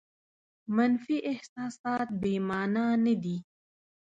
منفي احساسات بې مانا نه دي.